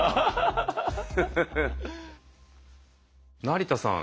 成田さん。